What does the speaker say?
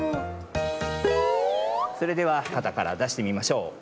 それではかたからだしてみましょう。